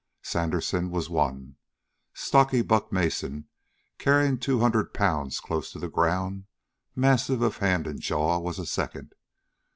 Sandersen was one; stocky Buck Mason, carrying two hundred pounds close to the ground, massive of hand and jaw, was a second.